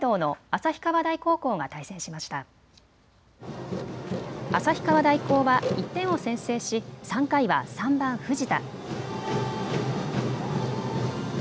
旭川大高は１点を先制し３回は３番・藤田。